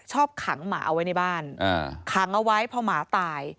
ขังหมาเอาไว้ในบ้านขังเอาไว้พอหมาตาย